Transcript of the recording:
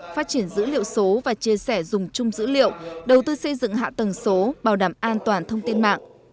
phát triển dữ liệu số và chia sẻ dùng chung dữ liệu đầu tư xây dựng hạ tầng số bảo đảm an toàn thông tin mạng